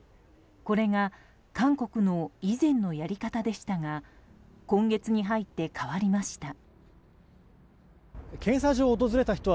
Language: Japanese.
これが韓国の以前のやり方でしたが今月に入って変わりました。